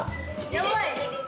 やばい！